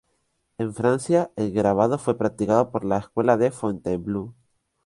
En Francia, el grabado fue practicado por la escuela de Fontainebleau.